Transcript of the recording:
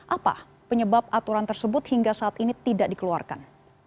apa penyebab aturan tersebut hingga saat ini tidak dikeluarkan